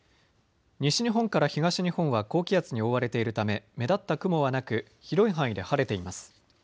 西日本から東日本は高気圧に覆われているため目立った雲はなく、広い範囲で晴れています。